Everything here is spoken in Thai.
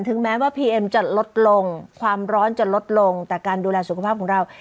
แม้ว่าพีเอ็มจะลดลงความร้อนจะลดลงแต่การดูแลสุขภาพของเรา